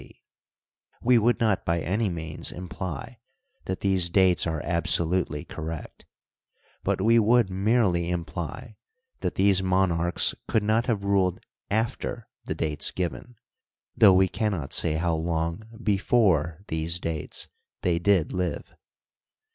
c, we would not by any means imply that these dates are absolutely correct ; but we would merely imply that these monarchs could not have ruled after the dates given, though we can not say how long before these dates they did live.